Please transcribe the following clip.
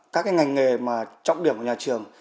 các ngành nghề mà trọng điểm của nhà trường